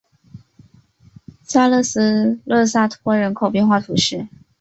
萨勒斯勒沙托人口变化图示